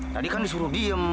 tadi kan disuruh diem